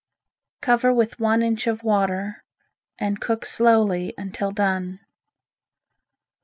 Cover with one inch of water and cook slowly until done.